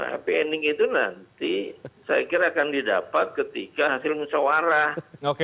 happy ending itu nanti saya kira akan didapat ketika hasil musawarah